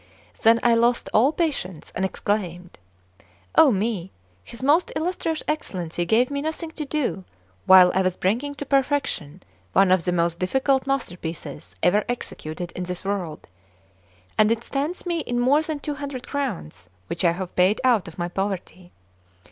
Then I lost all patience, and exclaimed: "Oh, me! His most illustrious Excellency gave me nothing to do, while I was bringing to perfection one of the most difficult master pieces ever executed in this world; and it stands me in more than two hundred crowns, which I have paid out of my poverty!